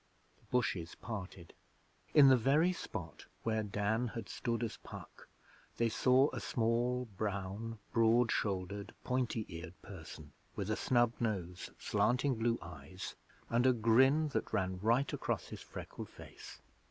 The bushes parted. In the very spot where Dan had stood as Puck they saw a small, brown, broad shouldered, pointy eared person with a snub nose, slanting blue eyes, and a grin that ran right across his freckled face.